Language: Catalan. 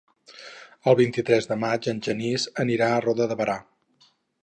El vint-i-tres de maig en Genís anirà a Roda de Berà.